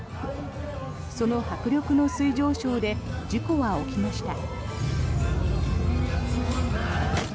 その迫力の水上ショーで事故は起きました。